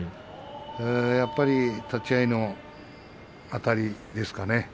やっぱり立ち合いのあたりですかね。